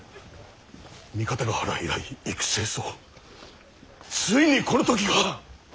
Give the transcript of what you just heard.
三方ヶ原以来幾星霜ついにこの時が！